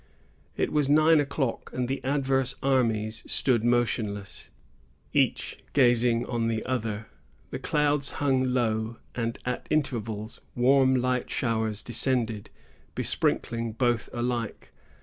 It was nine o'clock, and the adverse armies stood motionless, each gazing on the other. The clouds hung low, and, at intervals, warm light showers descended, besprinkling both alike.